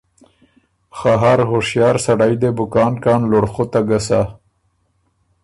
خه هر هُشیار سړئ دې بُو کان کان لُړخُته ګۀ سَۀ۔